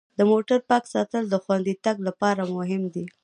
د موټر پاک ساتل د خوندي تګ لپاره مهم دي.